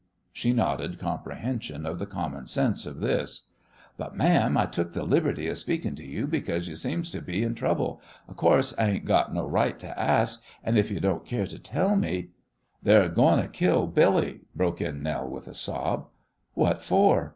She nodded comprehension of the common sense of this. "But, ma'am, I took the liberty of speakin' to you because you seems to be in trouble. Of course, I ain't got no right to ask, an' if you don't care to tell me " "They're goin' to kill Billy," broke in Nell, with a sob. "What for?"